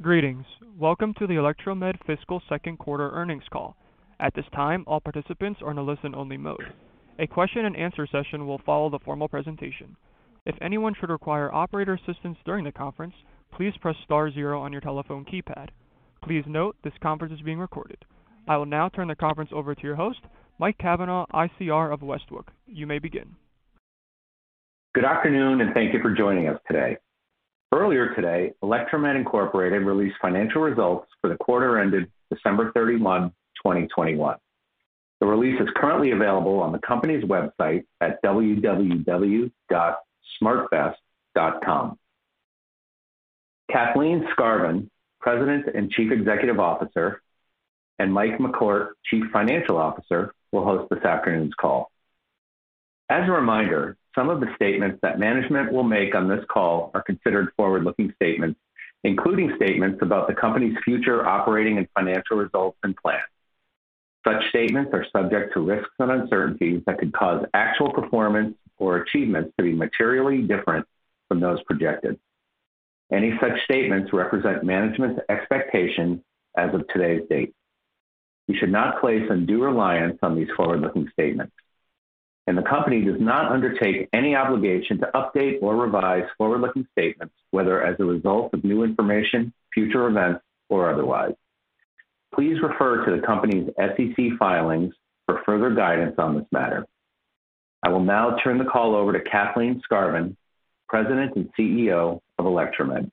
Greetings. Welcome to the Electromed fiscal second quarter earnings call. At this time, all participants are in a listen-only mode. A question and answer session will follow the formal presentation. If anyone should require operator assistance during the conference, please press star zero on your telephone keypad. Please note this conference is being recorded. I will now turn the conference over to your host, Mike Cavanaugh, ICR Westwicke. You may begin. Good afternoon, and thank you for joining us today. Earlier today, Electromed, Inc. released financial results for the quarter ended December 31, 2021. The release is currently available on the company's website at www.smartvest.com. Kathleen Skarvan, President and Chief Executive Officer, and Mike MacCourt, Chief Financial Officer, will host this afternoon's call. As a reminder, some of the statements that management will make on this call are considered forward-looking statements, including statements about the company's future operating and financial results and plans. Such statements are subject to risks and uncertainties that could cause actual performance or achievements to be materially different from those projected. Any such statements represent management's expectations as of today's date. You should not place undue reliance on these forward-looking statements. The company does not undertake any obligation to update or revise forward-looking statements, whether as a result of new information, future events, or otherwise. Please refer to the company's SEC filings for further guidance on this matter. I will now turn the call over to Kathleen Skarvan, President and CEO of Electromed.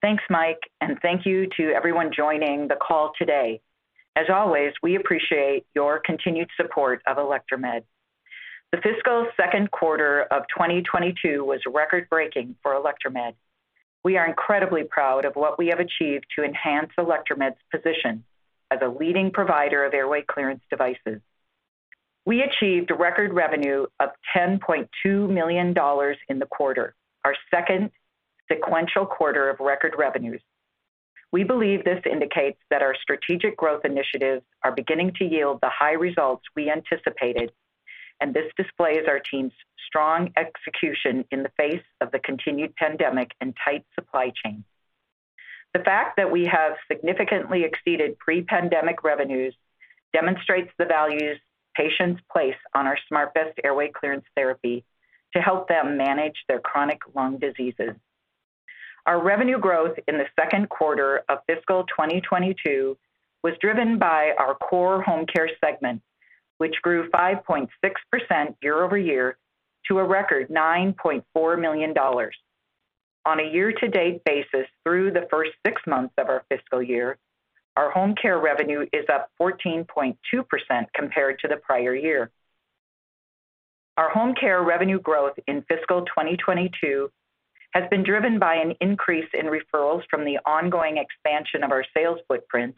Thanks, Mike, and thank you to everyone joining the call today. As always, we appreciate your continued support of Electromed. The fiscal second quarter of 2022 was record-breaking for Electromed. We are incredibly proud of what we have achieved to enhance Electromed's position as a leading provider of airway clearance devices. We achieved a record revenue of $10.2 million in the quarter, our second sequential quarter of record revenues. We believe this indicates that our strategic growth initiatives are beginning to yield the high results we anticipated, and this displays our team's strong execution in the face of the continued pandemic and tight supply chain. The fact that we have significantly exceeded pre-pandemic revenues demonstrates the values patients place on our SmartVest airway clearance therapy to help them manage their chronic lung diseases. Our revenue growth in the second quarter of fiscal 2022 was driven by our core home care segment, which grew 5.6% year-over-year to a record $9.4 million. On a year-to-date basis through the first six months of our fiscal year, our home care revenue is up 14.2% compared to the prior year. Our home care revenue growth in fiscal 2022 has been driven by an increase in referrals from the ongoing expansion of our sales footprint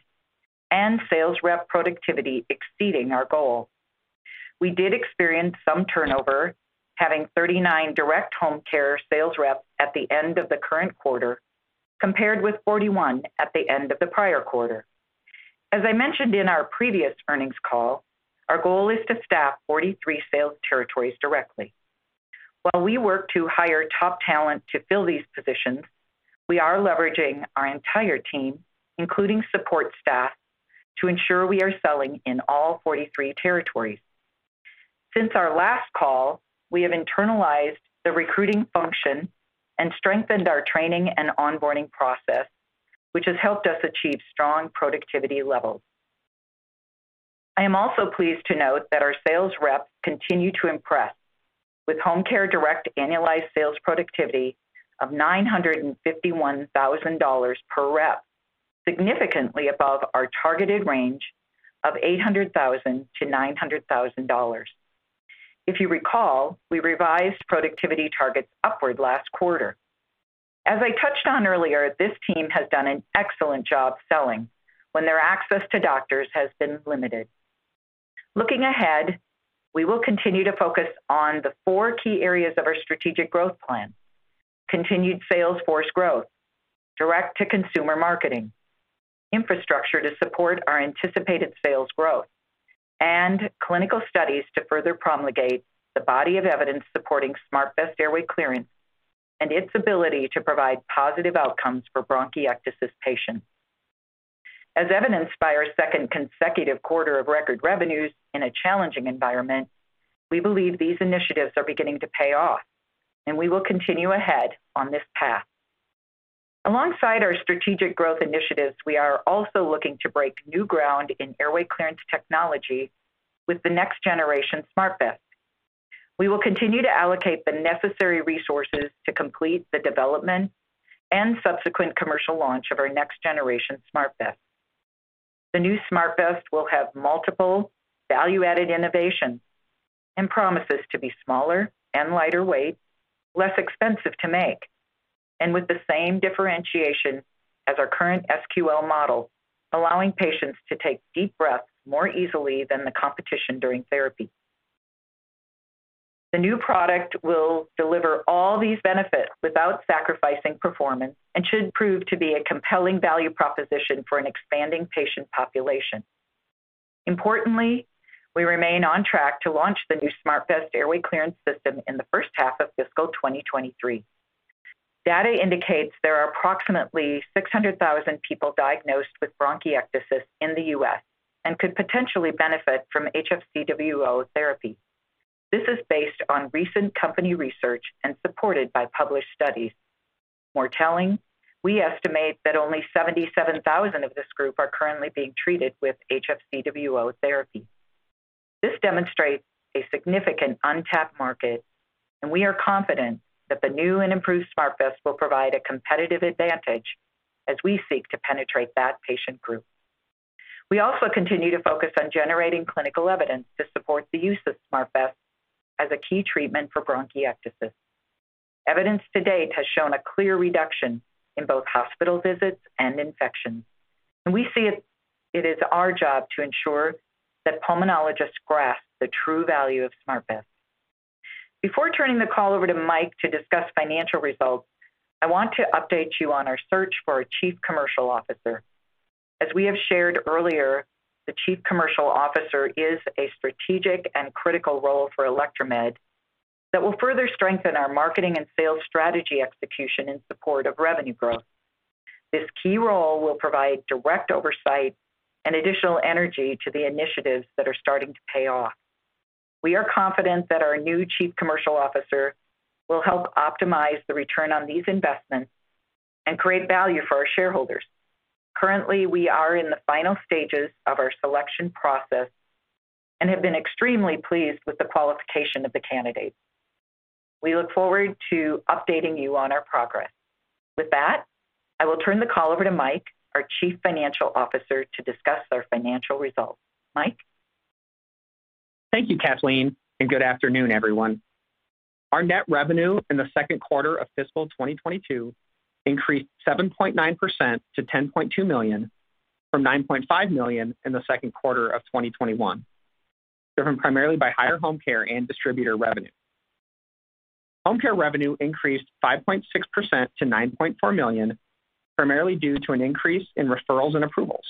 and sales rep productivity exceeding our goal. We did experience some turnover, having 39 direct home care sales reps at the end of the current quarter, compared with 41 at the end of the prior quarter. As I mentioned in our previous earnings call, our goal is to staff 43 sales territories directly. While we work to hire top talent to fill these positions, we are leveraging our entire team, including support staff, to ensure we are selling in all 43 territories. Since our last call, we have internalized the recruiting function and strengthened our training and onboarding process, which has helped us achieve strong productivity levels. I am also pleased to note that our sales reps continue to impress with home care direct annualized sales productivity of $951,000 per rep, significantly above our targeted range of $800,000-$900,000. If you recall, we revised productivity targets upward last quarter. As I touched on earlier, this team has done an excellent job selling when their access to doctors has been limited. Looking ahead, we will continue to focus on the four key areas of our strategic growth plan. Continued sales force growth, direct to consumer marketing, infrastructure to support our anticipated sales growth, and clinical studies to further promulgate the body of evidence supporting SmartVest airway clearance and its ability to provide positive outcomes for bronchiectasis patients. As evidenced by our second consecutive quarter of record revenues in a challenging environment, we believe these initiatives are beginning to pay off, and we will continue ahead on this path. Alongside our strategic growth initiatives, we are also looking to break new ground in airway clearance technology with the next-generation SmartVest. We will continue to allocate the necessary resources to complete the development and subsequent commercial launch of our next-generation SmartVest. The new SmartVest will have multiple value-added innovations and promises to be smaller and lighter weight, less expensive to make, and with the same differentiation as our current SQL model, allowing patients to take deep breaths more easily than the competition during therapy. The new product will deliver all these benefits without sacrificing performance and should prove to be a compelling value proposition for an expanding patient population. Importantly, we remain on track to launch the new SmartVest airway clearance system in the first half of fiscal 2023. Data indicates there are approximately 600,000 people diagnosed with bronchiectasis in the U.S. and could potentially benefit from HFCWO therapy. This is based on recent company research and supported by published studies. More telling, we estimate that only 77,000 of this group are currently being treated with HFCWO therapy. This demonstrates a significant untapped market, and we are confident that the new and improved SmartVest will provide a competitive advantage as we seek to penetrate that patient group. We also continue to focus on generating clinical evidence to support the use of SmartVest as a key treatment for bronchiectasis. Evidence to date has shown a clear reduction in both hospital visits and infections. We see it is our job to ensure that pulmonologists grasp the true value of SmartVest. Before turning the call over to Mike to discuss financial results, I want to update you on our search for a chief commercial officer. As we have shared earlier, the chief commercial officer is a strategic and critical role for Electromed that will further strengthen our marketing and sales strategy execution in support of revenue growth. This key role will provide direct oversight and additional energy to the initiatives that are starting to pay off. We are confident that our new Chief Commercial Officer will help optimize the return on these investments and create value for our shareholders. Currently, we are in the final stages of our selection process and have been extremely pleased with the qualification of the candidates. We look forward to updating you on our progress. With that, I will turn the call over to Mike, our Chief Financial Officer, to discuss our financial results. Mike? Thank you, Kathleen, and good afternoon, everyone. Our net revenue in the second quarter of fiscal 2022 increased 7.9% to $10.2 million from $9.5 million in the second quarter of 2021, driven primarily by higher home care and distributor revenue. Home care revenue increased 5.6% to $9.4 million, primarily due to an increase in referrals and approvals.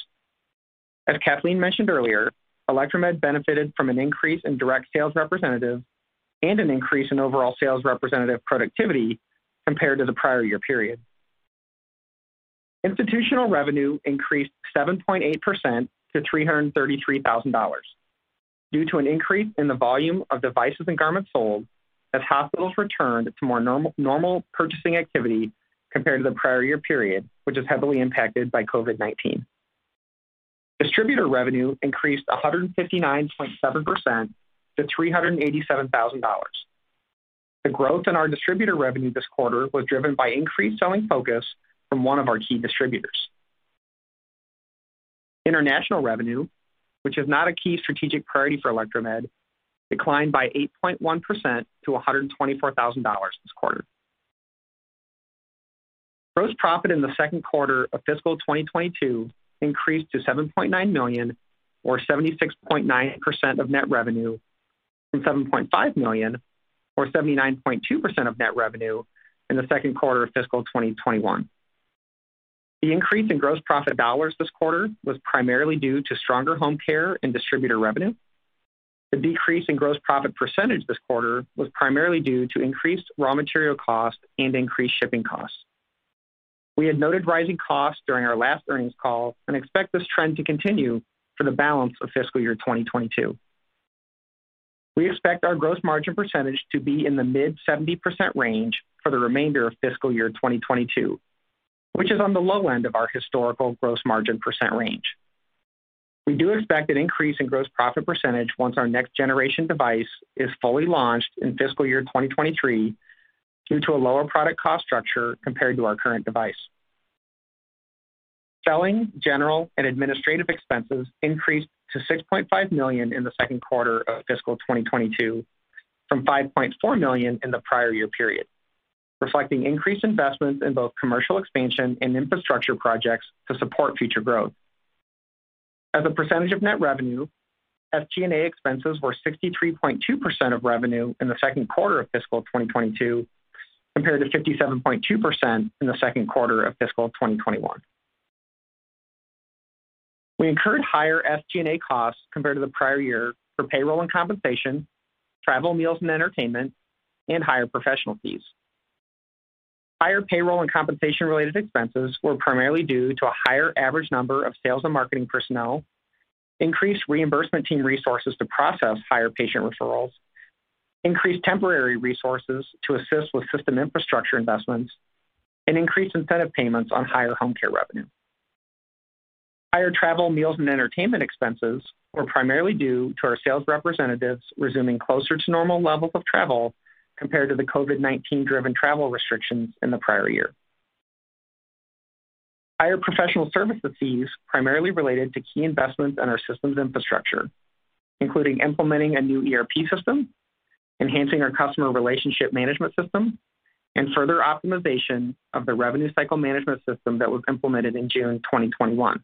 As Kathleen mentioned earlier, Electromed benefited from an increase in direct sales representative and an increase in overall sales representative productivity compared to the prior year period. Institutional revenue increased 7.8% to $333,000 due to an increase in the volume of devices and garments sold as hospitals returned to more normal purchasing activity compared to the prior year period, which is heavily impacted by COVID-19. Distributor revenue increased 159.7% to $387000. The growth in our distributor revenue this quarter was driven by increased selling focus from one of our key distributors. International revenue, which is not a key strategic priority for Electromed, declined by 8.1% to $124 thousand this quarter. Gross profit in the second quarter of fiscal 2022 increased to $7.9 million or 76.9% of net revenue from $7.5 million or 79.2% of net revenue in the second quarter of fiscal 2021. The increase in gross profit dollars this quarter was primarily due to stronger home care and distributor revenue. The decrease in gross profit percentage this quarter was primarily due to increased raw material costs and increased shipping costs. We had noted rising costs during our last earnings call and expect this trend to continue for the balance of fiscal year 2022. We expect our gross margin percentage to be in the mid-70% range for the remainder of fiscal year 2022, which is on the low end of our historical gross margin percent range. We do expect an increase in gross profit percentage once our next generation device is fully launched in fiscal year 2023 due to a lower product cost structure compared to our current device. Selling, general, and administrative expenses increased to $6.5 million in the second quarter of fiscal 2022 from $5.4 million in the prior year period, reflecting increased investments in both commercial expansion and infrastructure projects to support future growth. As a percentage of net revenue, SG&A expenses were 63.2% of revenue in the second quarter of fiscal 2022 compared to 57.2% in the second quarter of fiscal 2021. We incurred higher SG&A costs compared to the prior year for payroll and compensation, travel, meals and entertainment, and higher professional fees. Higher payroll and compensation-related expenses were primarily due to a higher average number of sales and marketing personnel, increased reimbursement team resources to process higher patient referrals, increased temporary resources to assist with system infrastructure investments, and increased incentive payments on higher home care revenue. Higher travel, meals, and entertainment expenses were primarily due to our sales representatives resuming closer to normal levels of travel compared to the COVID-19-driven travel restrictions in the prior year. Higher professional services fees primarily related to key investments in our systems infrastructure, including implementing a new ERP system, enhancing our customer relationship management system, and further optimization of the revenue cycle management system that was implemented in June 2021.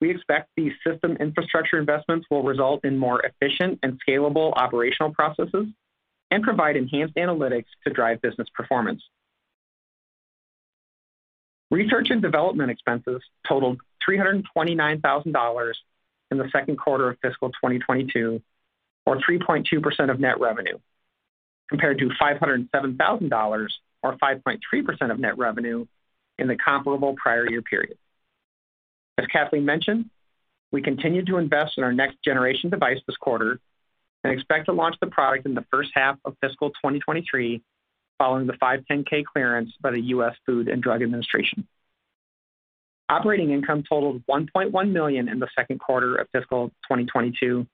We expect these system infrastructure investments will result in more efficient and scalable operational processes and provide enhanced analytics to drive business performance. Research and development expenses totaled $329,000 in the second quarter of fiscal 2022, or 3.2% of net revenue, compared to $507,000 or 5.3% of net revenue in the comparable prior year period. As Kathleen mentioned, we continued to invest in our next generation device this quarter and expect to launch the product in the first half of fiscal 2023, following the 510(k) clearance by the U.S. Food and Drug Administration. Operating income totaled $1.1 million in the second quarter of fiscal 2022,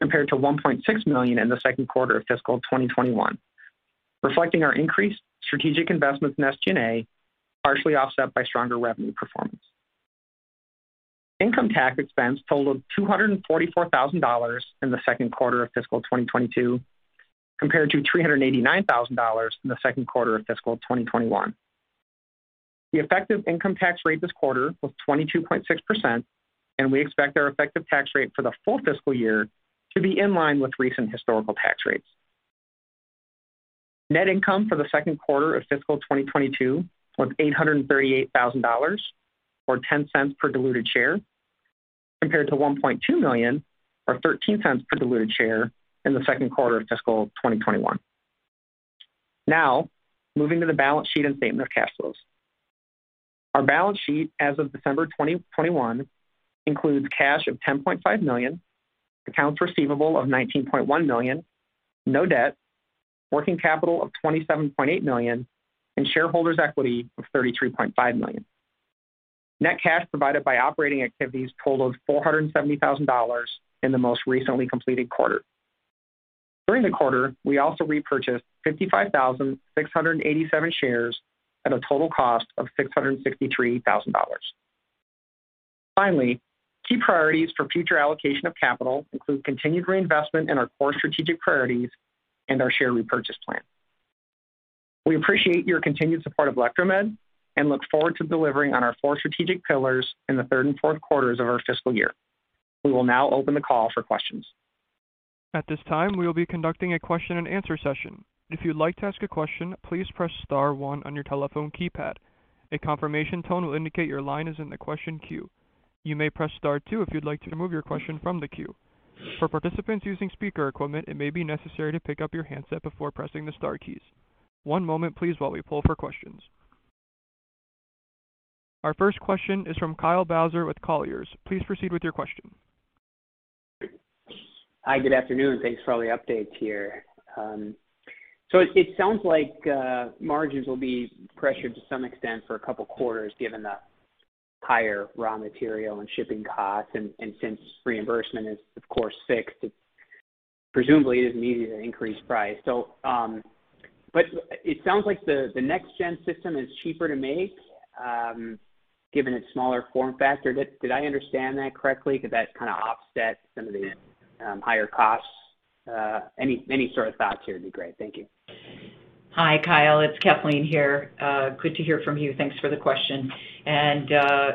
compared to $1.6 million in the second quarter of fiscal 2021, reflecting our increased strategic investments in SG&A, partially offset by stronger revenue performance. Income tax expense totaled $244,000 in the second quarter of fiscal 2022, compared to $389,000 in the second quarter of fiscal 2021. The effective income tax rate this quarter was 22.6%, and we expect our effective tax rate for the full fiscal year to be in line with recent historical tax rates. Net income for the second quarter of fiscal 2022 was $838,000 or $0.10 per diluted share, compared to $1.2 million or $0.13 per diluted share in the second quarter of fiscal 2021. Now, moving to the balance sheet and statement of cash flows. Our balance sheet as of December 2021 includes cash of $10.5 million, accounts receivable of $19.1 million, no debt, working capital of $27.8 million, and shareholders equity of $33.5 million. Net cash provided by operating activities totaled $470,000 in the most recently completed quarter. During the quarter, we also repurchased 55,687 shares at a total cost of $663,000. Finally, key priorities for future allocation of capital include continued reinvestment in our core strategic priorities and our share repurchase plan. We appreciate your continued support of Electromed and look forward to delivering on our four strategic pillars in the third and fourth quarters of our fiscal year. We will now open the call for questions. At this time, we will be conducting a question and answer session. If you'd like to ask a question, please press star one on your telephone keypad. A confirmation tone will indicate your line is in the question queue. You may press star two if you'd like to remove your question from the queue. For participants using speaker equipment, it may be necessary to pick up your handset before pressing the star keys. One moment please while we pull for questions. Our first question is from Kyle Bauser with Colliers. Please proceed with your question. Hi, good afternoon. Thanks for all the updates here. It sounds like margins will be pressured to some extent for a couple of quarters given the higher raw material and shipping costs and since reimbursement is of course fixed, it's presumably it isn't easy to increase price. It sounds like the next gen system is cheaper to make given its smaller form factor. Did I understand that correctly? Could that kind of offset some of the higher costs? Any sort of thoughts here would be great. Thank you. Hi, Kyle. It's Kathleen here. Good to hear from you. Thanks for the question.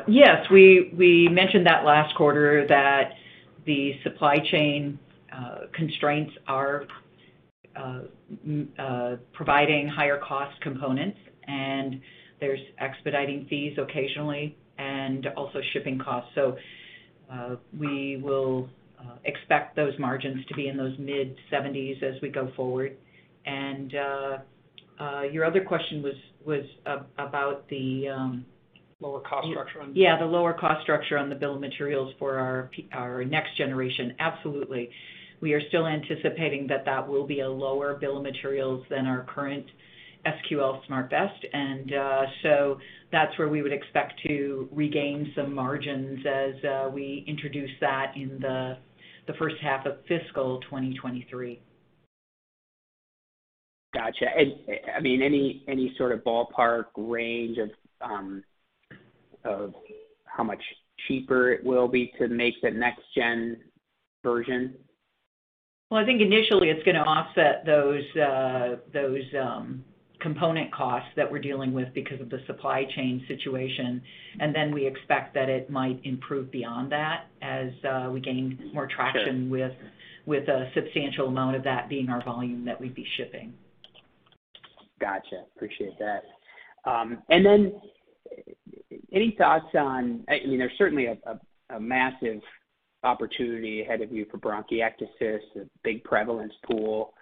Yes, we mentioned that last quarter that the supply chain constraints are providing higher cost components and there's expediting fees occasionally and also shipping costs. We will expect those margins to be in those mid-70s% as we go forward. Your other question was about the Lower cost structure. Yeah, the lower cost structure on the bill of materials for our next generation. Absolutely. We are still anticipating that will be a lower bill of materials than our current SmartVest SQL. That's where we would expect to regain some margins as we introduce that in the first half of fiscal 2023. Gotcha. I mean, any sort of ballpark range of how much cheaper it will be to make the next gen version? Well, I think initially it's gonna offset those component costs that we're dealing with because of the supply chain situation. We expect that it might improve beyond that as we gain more traction. Sure. with a substantial amount of that being our volume that we'd be shipping. Gotcha. Appreciate that. Any thoughts on. I mean, there's certainly a massive opportunity ahead of you for bronchiectasis, a big prevalence pool,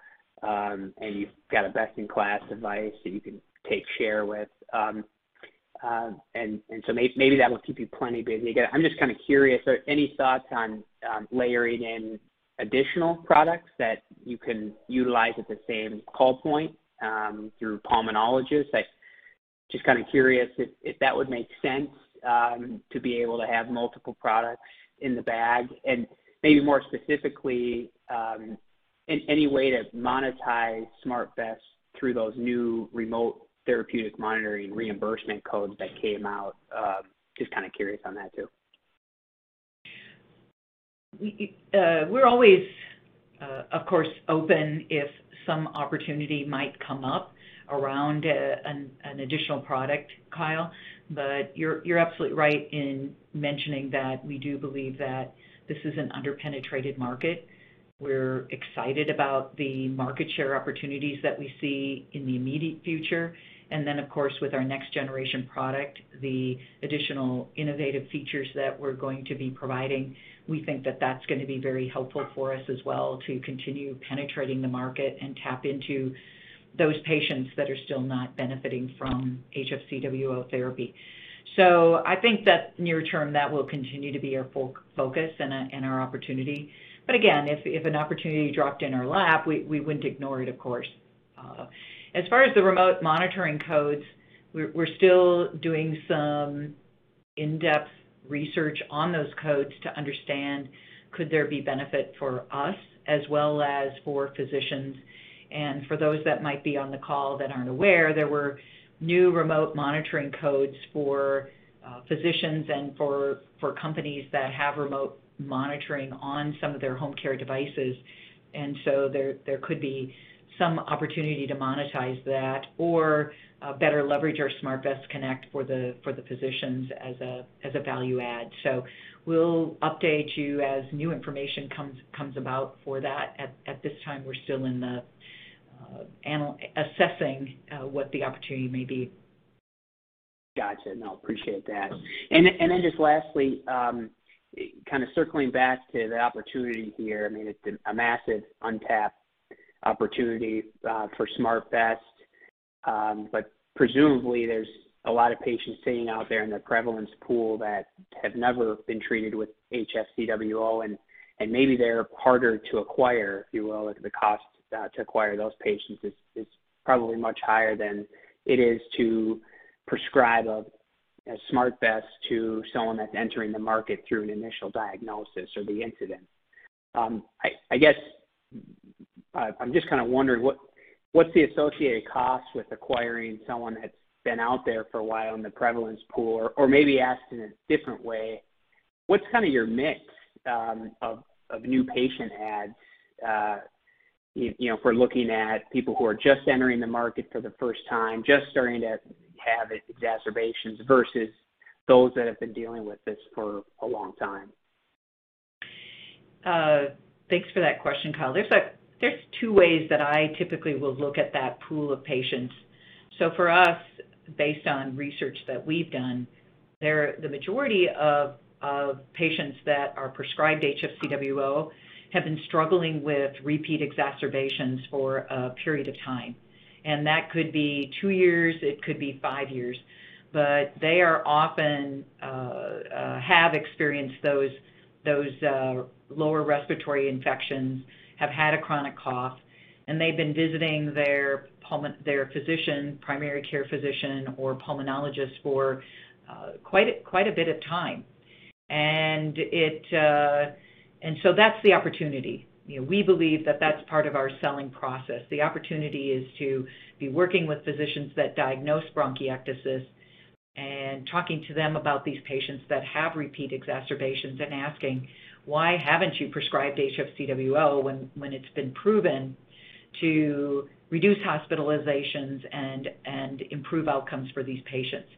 and you've got a best in class device that you can take share with. Maybe that will keep you plenty busy. Again, I'm just kind of curious. Are there any thoughts on layering in additional products that you can utilize at the same call point through pulmonologists? I'm just kind of curious if that would make sense to be able to have multiple products in the bag. Maybe more specifically, in any way to monetize SmartVest through those new remote therapeutic monitoring reimbursement codes that came out. Just kind of curious on that too. We're always, of course, open if some opportunity might come up around an additional product, Kyle. You're absolutely right in mentioning that we do believe that this is an under-penetrated market. We're excited about the market share opportunities that we see in the immediate future. Of course, with our next generation product, the additional innovative features that we're going to be providing, we think that that's gonna be very helpful for us as well to continue penetrating the market and tap into those patients that are still not benefiting from HFCWO therapy. I think that near term, that will continue to be our full focus and our opportunity. Again, if an opportunity dropped in our lap, we wouldn't ignore it, of course. As far as the remote monitoring codes, we're still doing some in-depth research on those codes to understand could there be benefit for us as well as for physicians. For those that might be on the call that aren't aware, there were new remote monitoring codes for physicians and for companies that have remote monitoring on some of their home care devices. There could be some opportunity to monetize that or better leverage our SmartVest Connect for the physicians as a value add. We'll update you as new information comes about for that. At this time, we're still assessing what the opportunity may be. Gotcha. No, appreciate that. Then just lastly, kind of circling back to the opportunity here, I mean, it's a massive untapped opportunity for SmartVest. But presumably there's a lot of patients sitting out there in the prevalence pool that have never been treated with HFCWO, and maybe they're harder to acquire, if you will, or the cost to acquire those patients is probably much higher than it is to prescribe a SmartVest to someone that's entering the market through an initial diagnosis or the incident. I guess, I'm just kind of wondering, what's the associated cost with acquiring someone that's been out there for a while in the prevalence pool? Maybe asked in a different way, what's kind of your mix of new patient adds, you know, if we're looking at people who are just entering the market for the first time, just starting to have exacerbations versus those that have been dealing with this for a long time? Thanks for that question, Kyle. There's two ways that I typically will look at that pool of patients. For us, based on research that we've done, the majority of patients that are prescribed HFCWO have been struggling with repeat exacerbations for a period of time. That could be two years, it could be five years. They often have experienced those lower respiratory infections, have had a chronic cough, and they've been visiting their physician, primary care physician or pulmonologist for quite a bit of time. That's the opportunity. You know, we believe that that's part of our selling process. The opportunity is to be working with physicians that diagnose bronchiectasis and talking to them about these patients that have repeat exacerbations and asking, "Why haven't you prescribed HFCWO when it's been proven to reduce hospitalizations and improve outcomes for these patients?"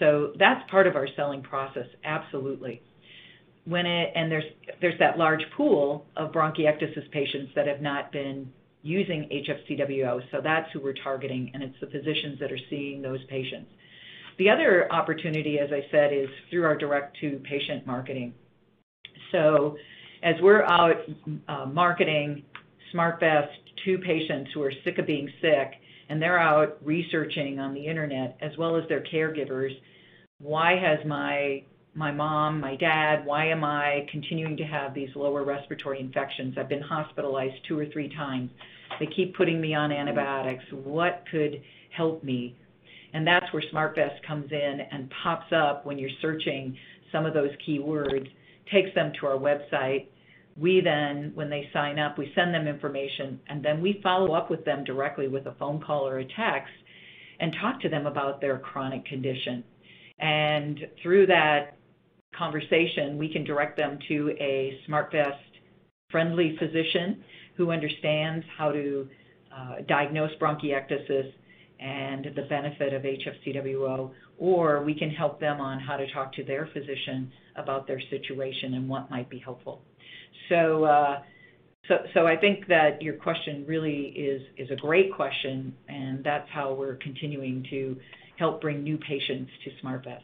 That's part of our selling process, absolutely. There's that large pool of bronchiectasis patients that have not been using HFCWO, so that's who we're targeting, and it's the physicians that are seeing those patients. The other opportunity, as I said, is through our direct-to-patient marketing. As we're out marketing SmartVest to patients who are sick of being sick, and they're out researching on the internet as well as their caregivers, "Why has my mom, my dad, why am I continuing to have these lower respiratory infections? I've been hospitalized two or three times. They keep putting me on antibiotics. What could help me?" That's where SmartVest comes in and pops up when you're searching some of those keywords, takes them to our website. We then, when they sign up, we send them information, and then we follow up with them directly with a phone call or a text and talk to them about their chronic condition. Through that conversation, we can direct them to a SmartVest-friendly physician who understands how to diagnose bronchiectasis and the benefit of HFCWO, or we can help them on how to talk to their physician about their situation and what might be helpful. So I think that your question really is a great question, and that's how we're continuing to help bring new patients to SmartVest.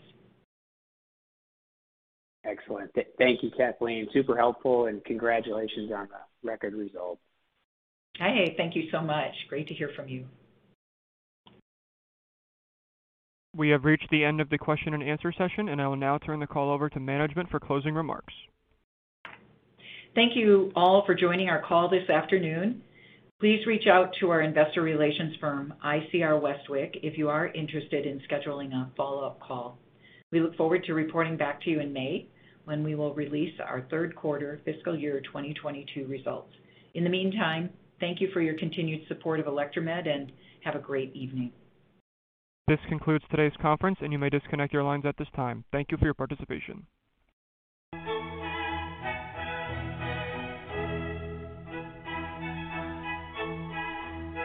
Excellent. Thank you, Kathleen. Super helpful, and congratulations on the record result. Hey, thank you so much. Great to hear from you. We have reached the end of the question and answer session, and I will now turn the call over to management for closing remarks. Thank you all for joining our call this afternoon. Please reach out to our investor relations firm, ICR Westwicke, if you are interested in scheduling a follow-up call. We look forward to reporting back to you in May when we will release our third quarter fiscal year 2022 results. In the meantime, thank you for your continued support of Electromed, and have a great evening. This concludes today's conference, and you may disconnect your lines at this time. Thank you for your participation.